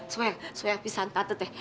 swear swear pisahan tante teh